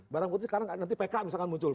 barang putih sekarang nanti pk misalkan muncul